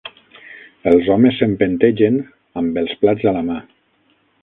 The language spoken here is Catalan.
Els homes s'empentegen, amb els plats a la mà